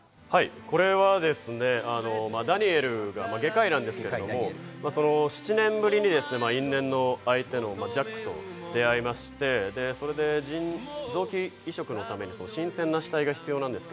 これはダニエルが外科医なんですが、７年ぶりに因縁の間柄のジャックと出会いまして臓器移植のために新鮮な死体が必要なんですが、